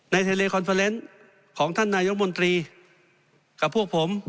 ในเทเลคอนเฟอร์เรนต์ของท่านนายองค์มนตรีกับพวกผม